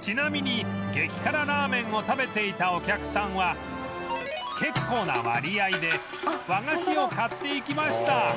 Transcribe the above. ちなみに激辛ラーメンを食べていたお客さんは結構な割合で和菓子を買っていきました